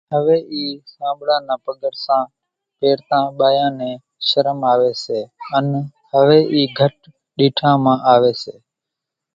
هويَ اِي سانٻڙا نان پڳرسان پيرتان ٻايان نين شرم آويَ سي انين هويَ اِي گھٽ ڏيٺا مان آويَ سي۔